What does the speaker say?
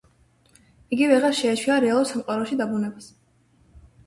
იგი ვეღარ შეეჩვია რეალურ სამყაროში დაბრუნებას.